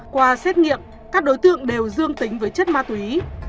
qua xét nghiệm các đối tượng đều dương tính với chất ma túy